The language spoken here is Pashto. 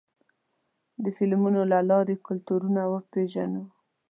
د فلمونو له لارې کلتورونه پېژنو.